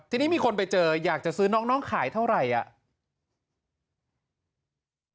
ทีนี้มีคนไปเจออยากจะซื้อน้องขายเท่าไหร่อ่ะ